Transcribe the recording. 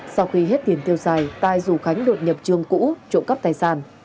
sau khi hết tiền tiêu xài tài rủ khánh đột nhập trường cũ trộm cắp tài sản